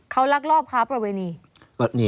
เขารักรอบครับประเวณี